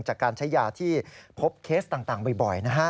จากการใช้ยาที่พบเคสต่างบ่อยนะฮะ